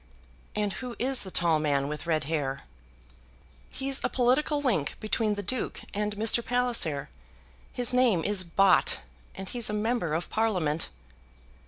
"And who is the tall man with red hair?" "He's a political link between the Duke and Mr. Palliser. His name is Bott, and he's a Member of Parliament."